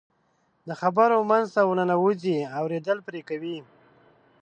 د خبرو منځ ته ورننوځي، اورېدل پرې کوي.